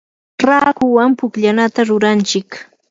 raakuwan pukllanata ruranchik.